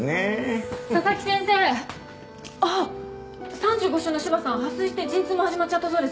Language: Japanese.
３５週の芝さん破水して陣痛も始まっちゃったそうです。